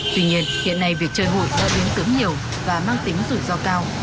tuy nhiên hiện nay việc chơi hụi đã biến tướng nhiều và mang tính rủi ro cao